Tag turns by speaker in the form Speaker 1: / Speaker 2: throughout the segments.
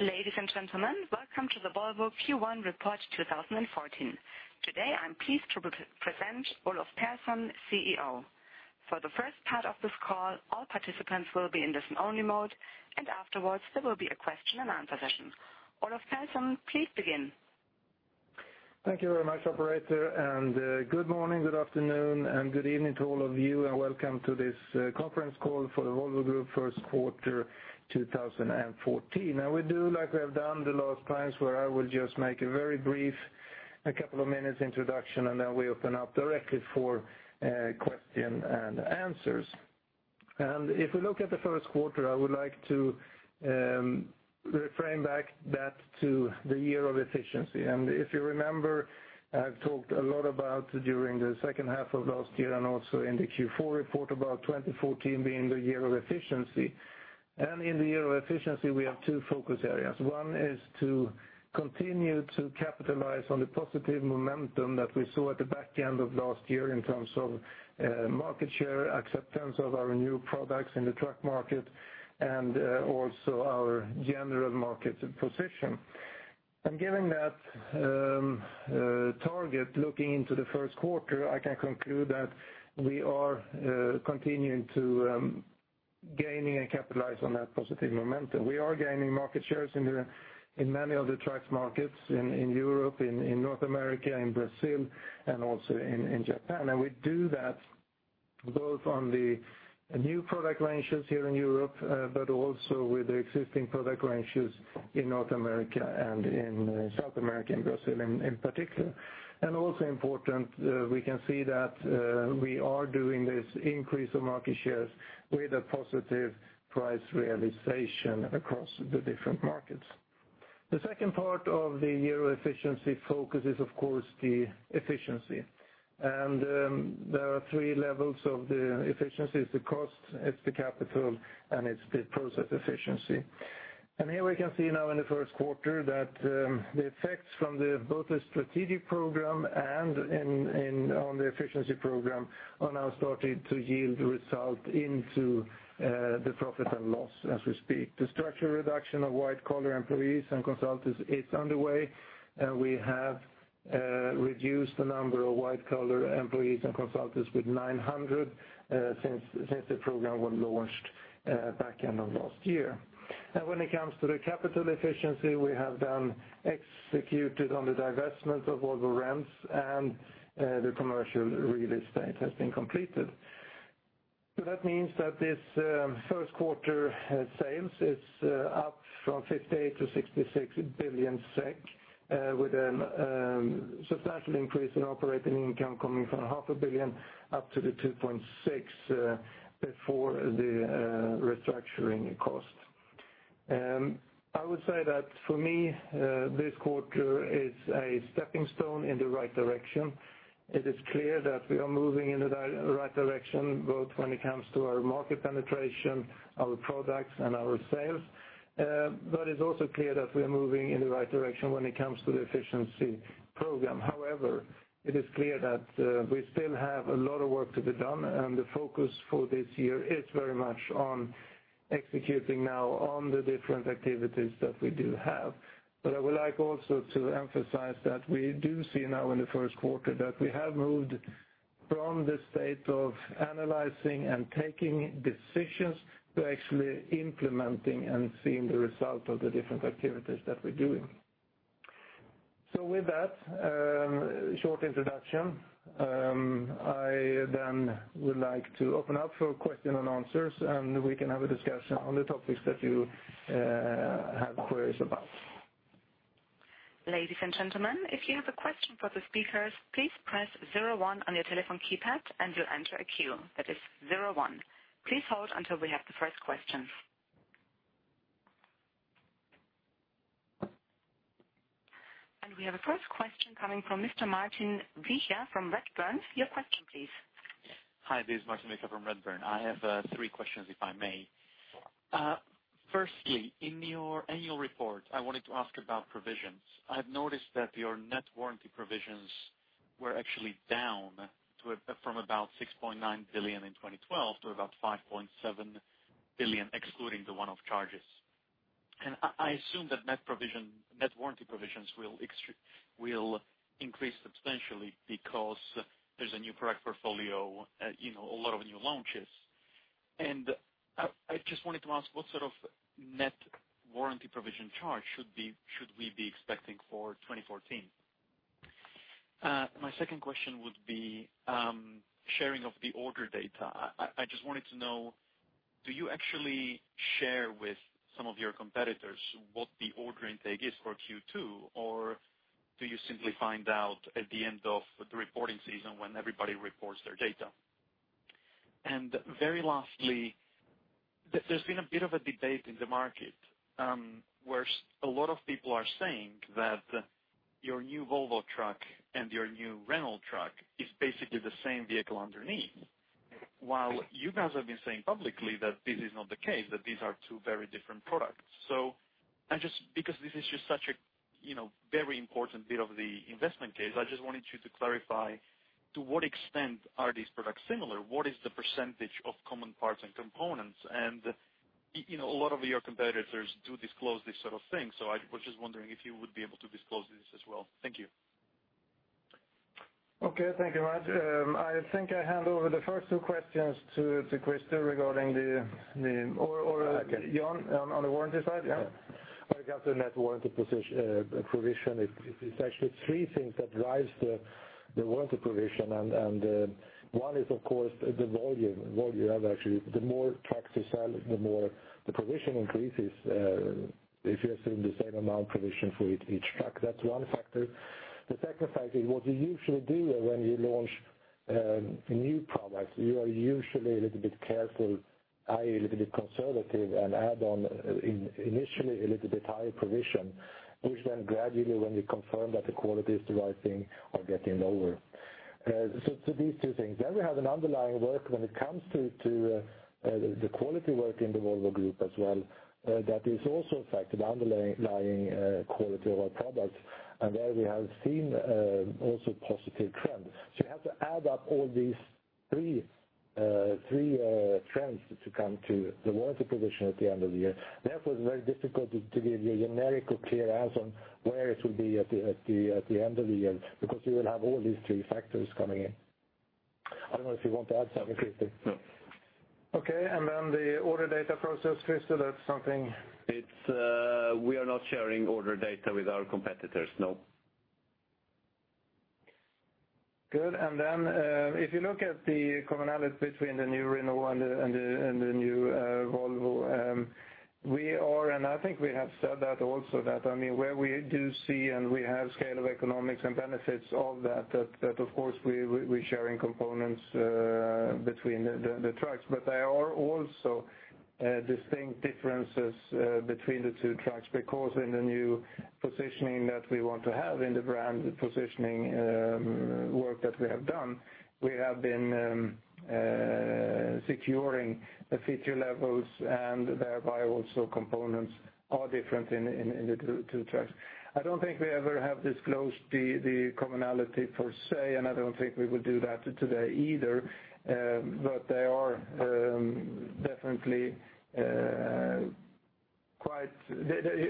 Speaker 1: Ladies and gentlemen, welcome to the Volvo Q1 Report 2014. Today, I'm pleased to present Olof Persson, CEO. For the first part of this call, all participants will be in listen only mode, and afterwards there will be a question and answer session. Olof Persson, please begin.
Speaker 2: Thank you very much, operator, and good morning, good afternoon, and good evening to all of you, and welcome to this conference call for the Volvo Group first quarter 2014. Now we do like we have done the last times, where I will just make a very brief couple of minutes introduction. Then we open up directly for question and answers. If we look at the first quarter, I would like to reframe back that to the year of efficiency. If you remember, I've talked a lot about, during the second half of last year and also in the Q4 report, about 2014 being the year of efficiency. In the year of efficiency, we have two focus areas. One is to continue to capitalize on the positive momentum that we saw at the back end of last year in terms of market share acceptance of our new products in the truck market and also our general market position. Given that target, looking into the first quarter, I can conclude that we are continuing to gaining and capitalize on that positive momentum. We are gaining market shares in many of the trucks markets, in Europe, in North America, in Brazil, and also in Japan. We do that both on the new product launches here in Europe, but also with the existing product launches in North America and in South America, in Brazil in particular. Also important, we can see that we are doing this increase of market shares with a positive price realization across the different markets. The second part of the year of efficiency focus is, of course, the efficiency. There are three levels of the efficiency. It's the cost, it's the capital, and it's the process efficiency. Here we can see now in the first quarter that the effects from both the strategic program and on the efficiency program are now starting to yield results into the profit and loss as we speak. The structure reduction of white-collar employees and consultants is underway, and we have reduced the number of white-collar employees and consultants with 900 since the program was launched back end of last year. Now when it comes to the capital efficiency, we have then executed on the divestment of Volvo Rents and the commercial real estate has been completed. That means that this first quarter sales is up from 58 billion-66 billion SEK, with a substantial increase in operating income coming from a half a billion up to 2.6 billion before the restructuring cost. I would say that for me, this quarter is a stepping stone in the right direction. It is clear that we are moving in the right direction, both when it comes to our market penetration, our products, and our sales. It's also clear that we are moving in the right direction when it comes to the efficiency program. It is clear that we still have a lot of work to be done, and the focus for this year is very much on executing now on the different activities that we do have. I would like also to emphasize that we do see now in the first quarter that we have moved from the state of analyzing and taking decisions to actually implementing and seeing the result of the different activities that we're doing. With that short introduction, I would like to open up for question and answers, and we can have a discussion on the topics that you have queries about.
Speaker 1: Ladies and gentlemen, if you have a question for the speakers, please press zero one on your telephone keypad and you'll enter a queue. That is zero one. Please hold until we have the first question. We have a first question coming from Mr. Martin Wilkie from Redburn. Your question please.
Speaker 3: Hi, this is Martin Wilkie from Redburn. I have three questions, if I may. Firstly, in your annual report, I wanted to ask about provisions. I've noticed that your net warranty provisions were actually down from about 6.9 billion in 2012 to about 5.7 billion, excluding the one-off charges. I assume that net warranty provisions will increase substantially because there's a new product portfolio, a lot of new launches. I just wanted to ask, what sort of net warranty provision charge should we be expecting for 2014? My second question would be sharing of the order data. I just wanted to know, do you actually share with some of your competitors what the order intake is for Q2, or do you simply find out at the end of the reporting season when everybody reports their data? Very lastly, there's been a bit of a debate in the market, where a lot of people are saying that your new Volvo truck and your new Renault truck is basically the same vehicle underneath, while you guys have been saying publicly that this is not the case, that these are two very different products. Because this is just such a very important bit of the investment case, I just wanted you to clarify to what extent are these products similar? What is the percentage of common parts and components? A lot of your competitors do disclose this sort of thing, so I was just wondering if you would be able to disclose this as well. Thank you.
Speaker 2: Okay, thank you, Martin. I think I hand over the first two questions to Christer Johansson or Jan Gurander, on the warranty side, yeah. When it comes to net warranty provision, it is actually three things that drives the warranty provision. One is, of course, the volume. Volume actually, the more trucks you sell, the more the provision increases, if you assume the same amount provision for each truck. That's one factor. The second factor is what you usually do when you launch new products, you are usually a little bit careful, i.e., a little bit conservative and add on initially a little bit higher provision, which then gradually, when you confirm that the quality is the right thing, are getting lower. These two things. We have an underlying work when it comes to the quality work in the Volvo Group as well, that has also affected underlying quality of our products. There we have seen also positive trends. You have to add up all these three trends to come to the warranty provision at the end of the year. Therefore, it's very difficult to give you a generic or clear answer on where it will be at the end of the year, because you will have all these three factors coming in. I don't know if you want to add something, Christer Johansson. No. Okay, the order data process, Christer Johansson, that's something We are not sharing order data with our competitors, no. Good. If you look at the commonality between the new Renault and the new Volvo, we are, and I think we have said that also that, where we do see and we have scale of economics and benefits of that, of course, we're sharing components between the trucks. There are also distinct differences between the two trucks, because in the new positioning that we want to have in the brand, the positioning work that we have done, we have been securing the feature levels, and thereby also components are different in the two trucks. I don't think we ever have disclosed the commonality per se, and I don't think we will do that today either. They are definitely quite--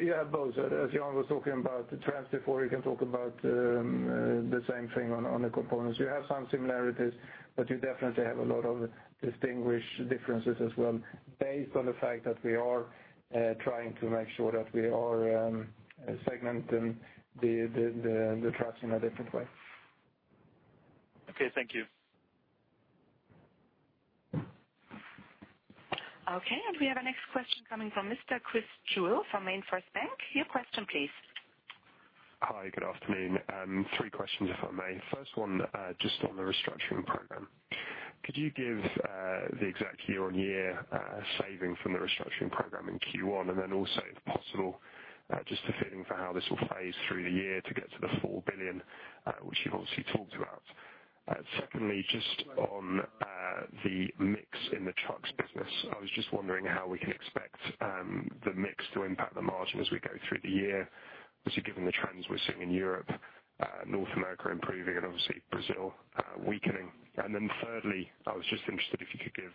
Speaker 2: You have both, as Jan Gurander was talking about trends before, you can talk about the same thing on the components. You have some similarities, you definitely have a lot of distinguished differences as well, based on the fact that we are trying to make sure that we are segmenting the trucks in a different way.
Speaker 3: Okay, thank you.
Speaker 1: Okay, we have our next question coming from Mr. Christian Jewell from MainFirst Bank. Your question please.
Speaker 4: Hi, good afternoon. Three questions, if I may. First one, just on the restructuring program. Could you give the exact year-on-year saving from the restructuring program in Q1, also, if possible, just a feeling for how this will phase through the year to get to the 4 billion, which you've obviously talked about? Secondly, just on the mix in the trucks business, I was just wondering how we can expect the mix to impact the margin as we go through the year. Obviously, given the trends we're seeing in Europe, North America improving and obviously Brazil weakening. Thirdly, I was just interested if you could give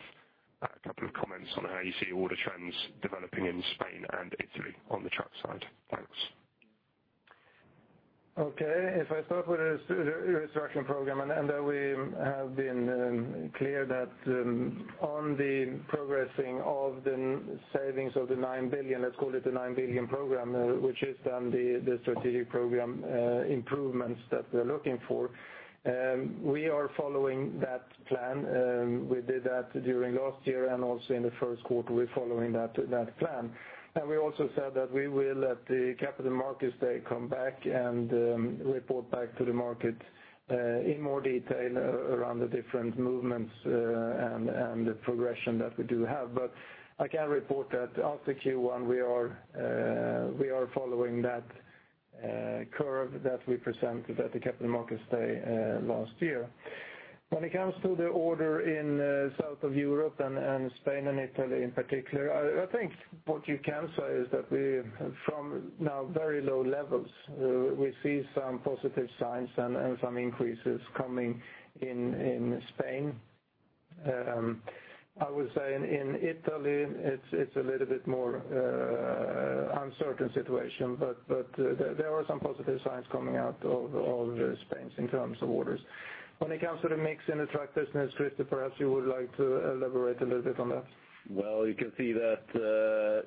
Speaker 4: a couple of comments on how you see order trends developing in Spain and Italy on the truck side. Thanks.
Speaker 2: Okay. If I start with the restructuring program, there we have been clear that on the progressing of the savings of the 9 billion, let's call it the 9 billion program, which is then the strategic program improvements that we're looking for. We are following that plan. We did that during last year and also in the first quarter, we're following that plan. We also said that we will at the Capital Markets Day come back and report back to the market in more detail around the different movements and the progression that we do have. I can report that after Q1 we are following that curve that we presented at the Capital Markets Day last year. When it comes to the order in south of Europe and Spain and Italy in particular, I think what you can say is that from now very low levels, we see some positive signs and some increases coming in Spain. I would say in Italy, it's a little bit more uncertain situation, but there are some positive signs coming out of Spain in terms of orders. When it comes to the mix in the truck business, Christer, perhaps you would like to elaborate a little bit on that. Well, you can see that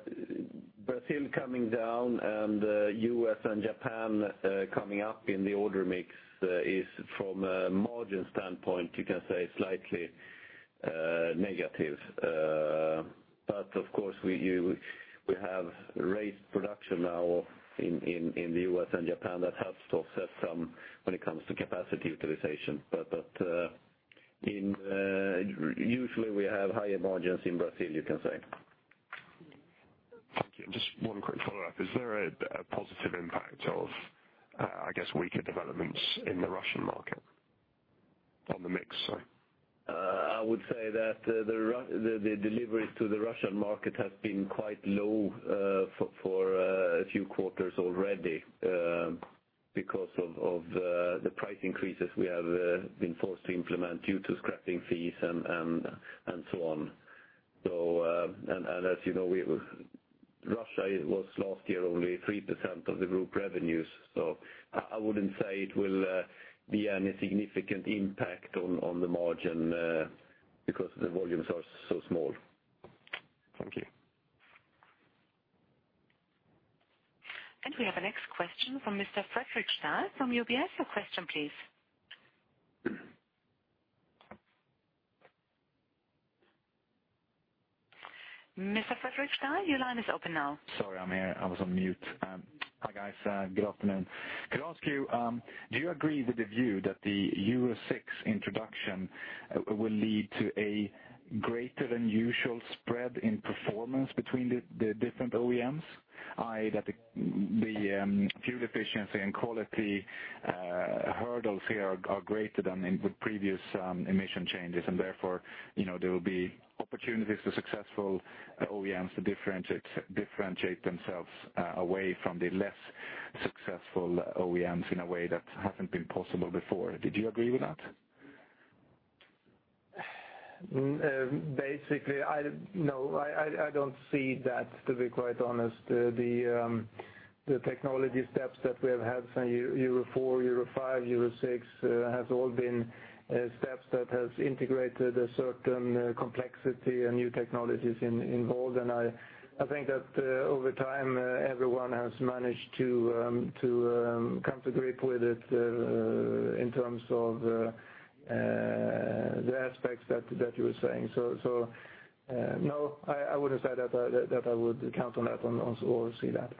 Speaker 2: Brazil coming down and U.S. and Japan coming up in the order mix is, from a margin standpoint, you can say slightly negative. Of course, we have raised production now in the U.S. and Japan that helps to offset some when it comes to capacity utilization. Usually, we have higher margins in Brazil, you can say.
Speaker 4: Thank you. Just one quick follow-up. Is there a positive impact of, I guess, weaker developments in the Russian market on the mix side?
Speaker 2: I would say that the deliveries to the Russian market has been quite low for a few quarters already because of the price increases we have been forced to implement due to scrapping fees and so on. As you know, Russia was last year only 3% of the group revenues. I wouldn't say it will be any significant impact on the margin because the volumes are so small.
Speaker 4: Thank you.
Speaker 1: We have a next question from Mr. Fredric Stahl from UBS. Your question please. Mr. Fredric Stahl, your line is open now.
Speaker 5: Sorry, I'm here. I was on mute. Hi guys. Good afternoon. Could I ask you, do you agree with the view that the Euro 6 introduction will lead to a greater than usual spread in performance between the different OEMs, i.e., that the fuel efficiency and quality hurdles here are greater than with previous emission changes, therefore, there will be opportunities for successful OEMs to differentiate themselves away from the less successful OEMs in a way that hasn't been possible before. Did you agree with that?
Speaker 2: Basically, no. I don't see that, to be quite honest. The technology steps that we have had, so Euro 4, Euro 5, Euro 6, has all been steps that has integrated a certain complexity and new technologies involved. I think that over time everyone has managed to come to grip with it, in terms of the aspects that you were saying. No, I wouldn't say that I would count on that or see that.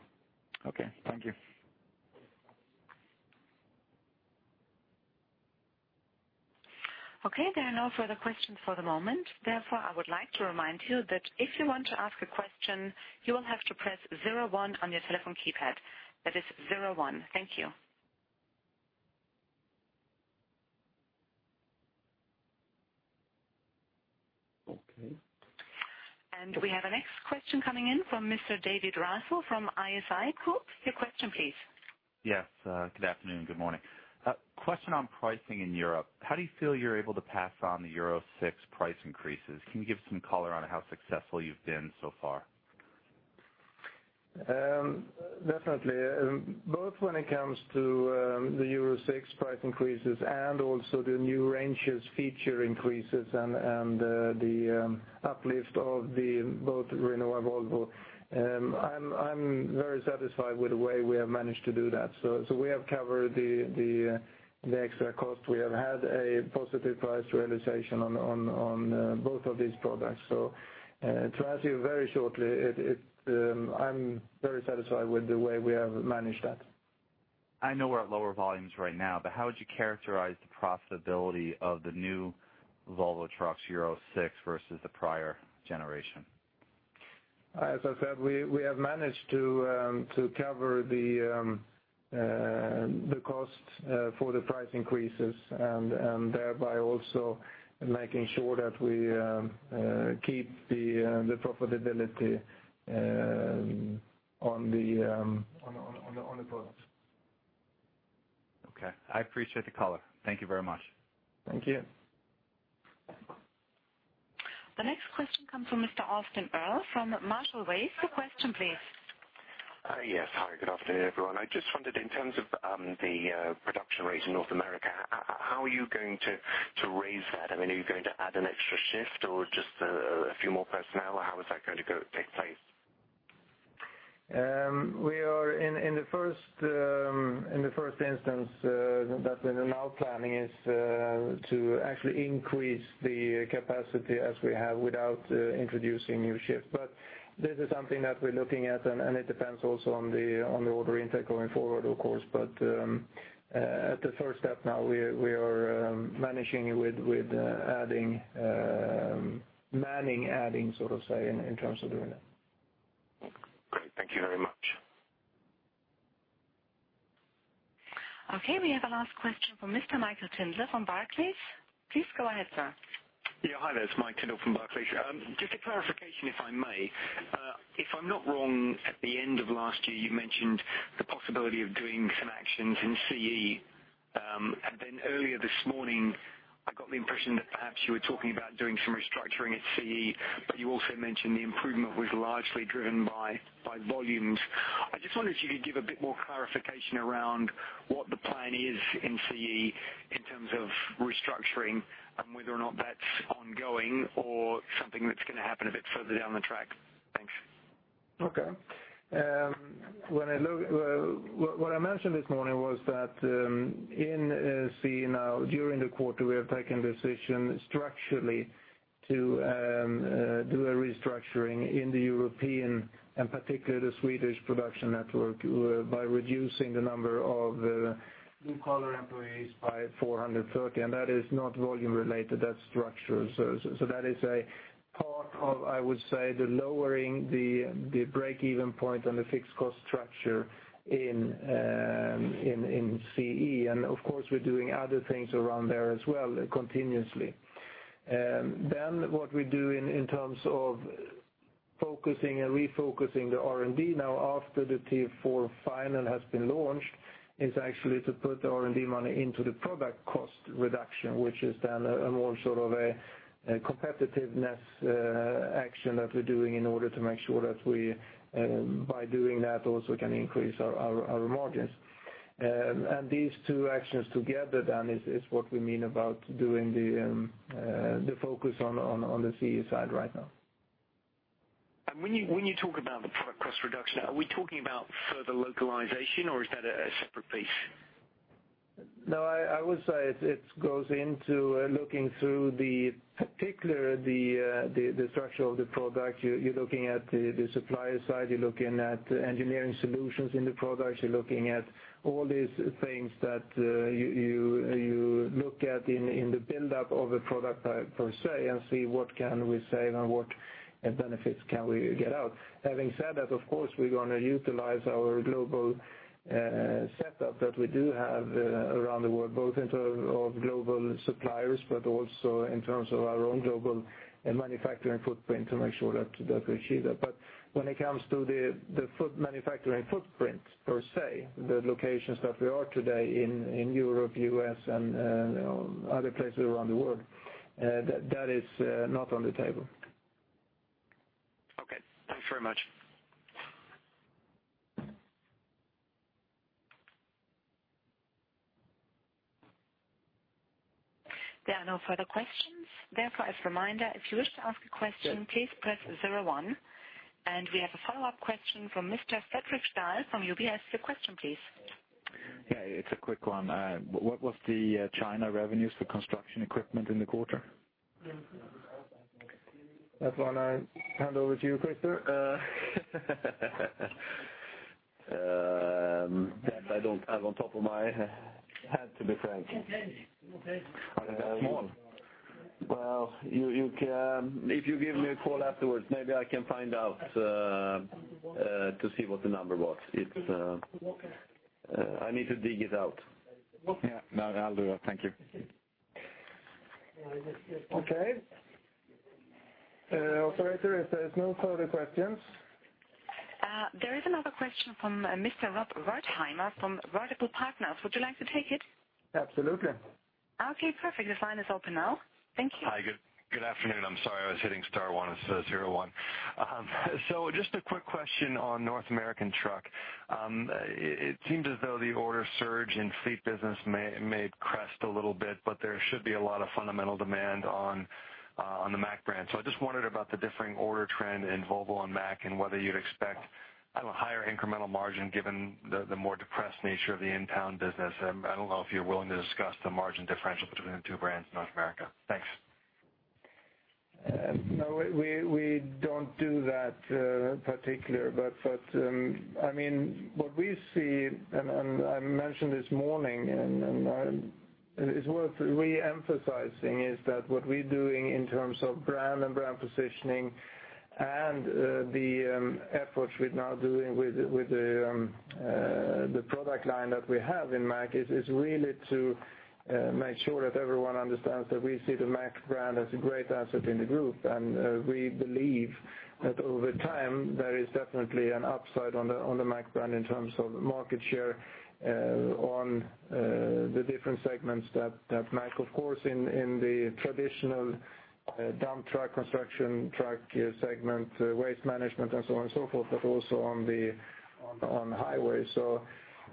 Speaker 5: Okay. Thank you.
Speaker 1: Okay. There are no further questions for the moment. Therefore, I would like to remind you that if you want to ask a question, you will have to press 01 on your telephone keypad. That is 01. Thank you.
Speaker 2: Okay.
Speaker 1: We have a next question coming in from Mr. David Raso from ISI Group. Your question, please.
Speaker 6: Yes. Good afternoon. Good morning. A question on pricing in Europe. How do you feel you're able to pass on the Euro 6 price increases? Can you give some color on how successful you've been so far?
Speaker 2: Definitely. Both when it comes to the Euro 6 price increases and also the new ranges feature increases and the uplift of the both Renault and Volvo, I'm very satisfied with the way we have managed to do that. We have covered the extra cost. We have had a positive price realization on both of these products. To answer you very shortly, I'm very satisfied with the way we have managed that.
Speaker 6: I know we're at lower volumes right now, how would you characterize the profitability of the new Volvo Trucks Euro 6 versus the prior generation?
Speaker 2: As I said, we have managed to cover the cost for the price increases and thereby also making sure that we keep the profitability on the products.
Speaker 6: Okay. I appreciate the color. Thank you very much.
Speaker 2: Thank you.
Speaker 1: The next question comes from Mr. Ashik Kurian from Marshall Wace. Your question, please.
Speaker 7: Yes. Hi, good afternoon, everyone. I just wondered in terms of the production rate in North America, how are you going to raise that? Are you going to add an extra shift or just a few more personnel, or how is that going to take place?
Speaker 2: In the first instance, that we are now planning is to actually increase the capacity as we have without introducing new shifts. This is something that we're looking at, and it depends also on the order intake going forward, of course. As the first step now we are managing with manning adding, so to say, in terms of doing that.
Speaker 7: Great. Thank you very much.
Speaker 1: Okay. We have a last question from Mr. Michael Tindall from Barclays. Please go ahead, sir.
Speaker 8: Hi there. It's Mike Tindall from Barclays. Just a clarification, if I may. If I'm not wrong, at the end of last year, you mentioned the possibility of doing some actions in CE. Earlier this morning, I got the impression that perhaps you were talking about doing some restructuring at CE, but you also mentioned the improvement was largely driven by volumes. I just wondered if you could give a bit more clarification around what the plan is in CE in terms of restructuring, and whether or not that's ongoing or something that's going to happen a bit further down the track. Thanks.
Speaker 2: Okay. What I mentioned this morning was that in CE now, during the quarter, we have taken decision structurally to do a restructuring in the European and particularly the Swedish production network, by reducing the number of blue collar employees by 430. That is not volume related, that's structural. That is a part of, I would say, the lowering the break-even point on the fixed cost structure in CE. Of course, we're doing other things around there as well continuously. What we do in terms of Focusing and refocusing the R&D now after the Tier 4 Final has been launched, is actually to put the R&D money into the product cost reduction, which is then a more sort of a competitiveness action that we're doing in order to make sure that by doing that also, we can increase our margins. These two actions together then is what we mean about doing the focus on the CE side right now.
Speaker 8: When you talk about the product cost reduction, are we talking about further localization or is that a separate piece?
Speaker 2: No, I would say it goes into looking through the particular structure of the product. You're looking at the supplier side, you're looking at engineering solutions in the products. You're looking at all these things that you look at in the build-up of a product per se, and see what can we save and what benefits can we get out. Having said that, of course, we're going to utilize our global setup that we do have around the world, both in terms of global suppliers but also in terms of our own global manufacturing footprint to make sure that we achieve that. When it comes to the manufacturing footprint, per se, the locations that we are today in Europe, U.S., and other places around the world, that is not on the table.
Speaker 8: Okay. Thank you very much.
Speaker 1: There are no further questions. Therefore, as a reminder, if you wish to ask a question, please press 01. We have a follow-up question from Mr. Cedric Dahl from UBS. Your question, please.
Speaker 9: Yeah. It's a quick one. What was the China revenues for construction equipment in the quarter?
Speaker 2: That one I hand over to you, Christer.
Speaker 10: That I don't have on top of my head, to be frank.
Speaker 2: Well, if you give me a call afterwards, maybe I can find out to see what the number was. I need to dig it out.
Speaker 9: Yeah. No, I'll do that. Thank you.
Speaker 2: Okay. Operator, if there's no further questions?
Speaker 1: There is another question from Mr. Rob Wertheimer from Vertical Research Partners. Would you like to take it?
Speaker 2: Absolutely.
Speaker 1: Okay, perfect. This line is open now. Thank you.
Speaker 11: Hi. Good afternoon. I'm sorry, I was hitting star one instead of zero one. Just a quick question on North American truck. It seems as though the order surge in fleet business may crest a little bit, but there should be a lot of fundamental demand on the Mack brand. I just wondered about the differing order trend in Volvo and Mack, and whether you'd expect a higher incremental margin given the more depressed nature of the in-town business. I don't know if you're willing to discuss the margin differential between the two brands in North America. Thanks.
Speaker 2: No, we don't do that particular. What we see, and I mentioned this morning, and it's worth re-emphasizing, is that what we're doing in terms of brand and brand positioning and the efforts we're now doing with the product line that we have in Mack, is really to make sure that everyone understands that we see the Mack brand as a great asset in the group. We believe that over time, there is definitely an upside on the Mack brand in terms of market share on the different segments that Mack, of course, in the traditional dump truck, construction truck segment, waste management and so on and so forth, but also on the highway.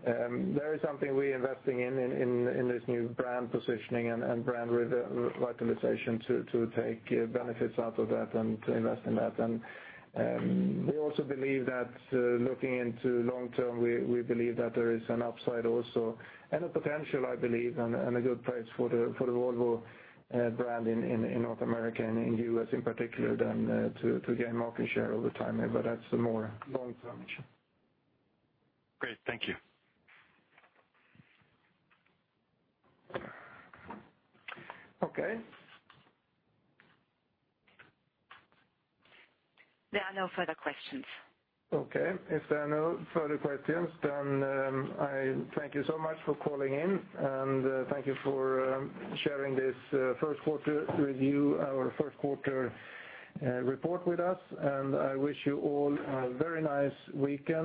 Speaker 2: There is something we are investing in this new brand positioning and brand revitalization to take benefits out of that and to invest in that. We also believe that looking into long term, we believe that there is an upside also, and a potential, I believe, and a good place for the Volvo brand in North America and in the U.S. in particular, than to gain market share over time. That's more long term.
Speaker 11: Great. Thank you.
Speaker 2: Okay.
Speaker 1: There are no further questions.
Speaker 2: Okay. If there are no further questions, then I thank you so much for calling in, and thank you for sharing this first quarter review, our first quarter report with us. I wish you all a very nice weekend.